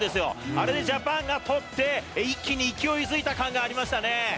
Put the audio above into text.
あれでジャパンが取って、一気に勢いづいた感がありましたね。